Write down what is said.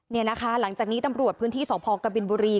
นี่นะคะหลังจากนี้ตำรวจพื้นที่สพกบินบุรี